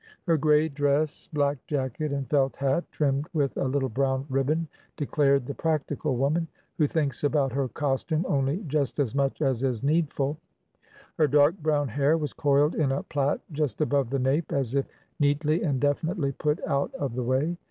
Her grey dress, black jacket, and felt hat trimmed with a little brown ribbon declared the practical woman, who thinks about her costume only just as much as is needful; her dark brown hair was coiled in a plait just above the nape, as if neatly and definitely put out of the way.